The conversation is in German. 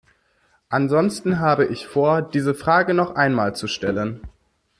Ansonsten habe ich vor, diese Frage noch einmal zu stellen.